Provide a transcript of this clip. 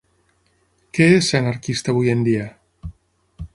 Què és ser anarquista avui en dia?